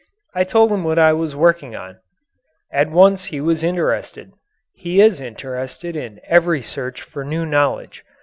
I told him what I was working on. At once he was interested. He is interested in every search for new knowledge.